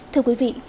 thưa quý vị